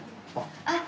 あっ。